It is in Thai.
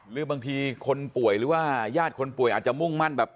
หรือบางทีคนป่วยหรือว่าญาติคนป่วยอาจจะมุ่งมั่นแบบ